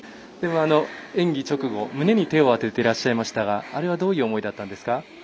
演技直後、胸に手を当ててらっしゃったんですがあれはどういう思いだったんですか？